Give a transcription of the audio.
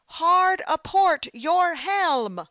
" Hard a port your helm